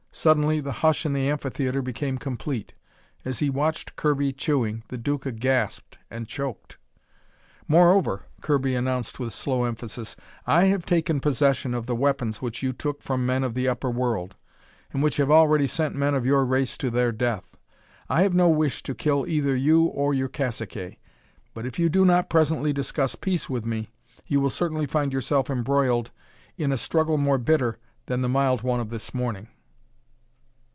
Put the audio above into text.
Suddenly the hush in the amphitheatre became complete. As he watched Kirby chewing, the Duca gasped and choked. "Moreover," Kirby announced with slow emphasis, "I have taken possession of the weapons which you took from men of the upper world, and which have already sent men of your race to their death. I have no wish to kill either you or your caciques, but if you do not presently discuss peace with me, you will certainly find yourself embroiled in a struggle more bitter than the mild one of this morning."